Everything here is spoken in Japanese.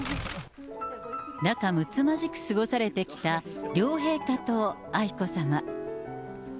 仲睦まじく過ごされてきた両陛下と愛子さま。